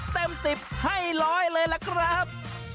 เต็ม๑๐ให้ร้อยเลยล่ะครับ